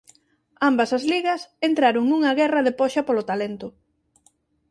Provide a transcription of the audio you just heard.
Ambas as ligas entraron nunha guerra de poxa polo talento.